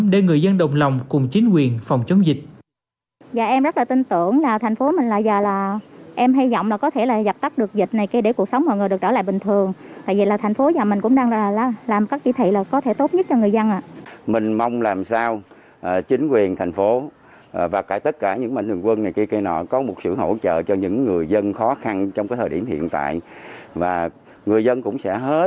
để người dân đồng lòng cùng chính quyền phòng chống dịch